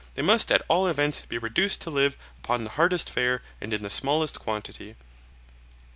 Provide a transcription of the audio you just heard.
They must at all events be reduced to live upon the hardest fare and in the smallest quantity.